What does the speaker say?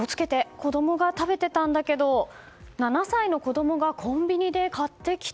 子供が食べてたんだけど７歳の子供がコンビニで買ってきた。